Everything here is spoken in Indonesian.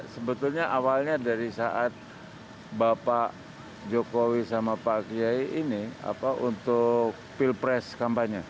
sebetulnya awalnya dari saat bapak jokowi sama pak kiai ini untuk pilpres kampanye